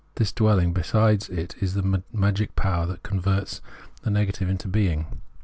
This dwelling beside it is the magic power that converts the negative into being.